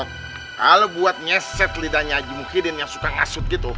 kalau buat nyeset lidahnya haji muhyidin yang suka ngasut gitu